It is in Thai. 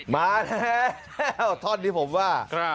มาแล้วท่อนที่ผมว่า